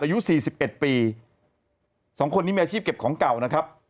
อายุสี่สิบเอ็ดปีสองคนนี้มีอาชีพเก็บของเก่านะครับ